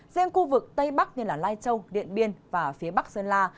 riêng khu vực tây bắc như lai châu điện biên và phía bắc sơn la